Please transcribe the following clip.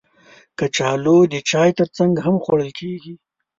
کچالو د چای ترڅنګ هم خوړل کېږي